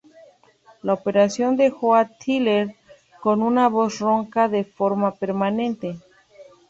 La operación dejó a Tyler con una voz ronca de forma permanente.